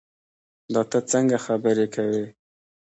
دا تۀ څنګه خبرې کوې